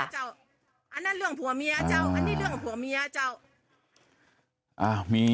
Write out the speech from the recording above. อันนั้นเรื่องผัวเมียเจ้าอันนี้เรื่องผัวเมียเจ้ามี